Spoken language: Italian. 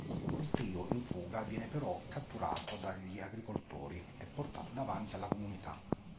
Il trio in fuga viene però catturato dagli agricoltori e portato davanti alla comunità.